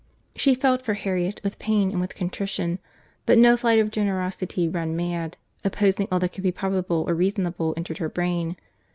She felt for Harriet, with pain and with contrition; but no flight of generosity run mad, opposing all that could be probable or reasonable, entered her brain.